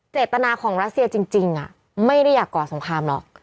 เจตนาของรัสเซียจริงไม่ได้อยากก่อสงครามหรอก